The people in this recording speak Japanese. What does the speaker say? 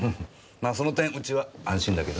まぁその点うちは安心だけどな。